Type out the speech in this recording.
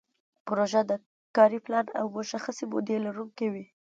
پروژه د کاري پلان او مشخصې مودې لرونکې وي.